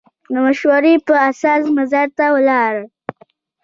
د مشورې په اساس مزار ته ولاړ.